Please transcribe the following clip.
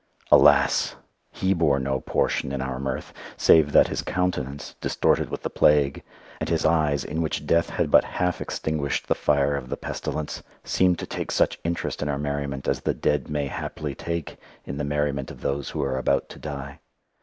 Alas! he bore no portion in our mirth, save that his countenance, distorted with the plague, and his eyes in which Death had but half extinguished the fire of the pestilence, seemed to take such an interest in our merriment as the dead may haply take in the merriment of those who are to die.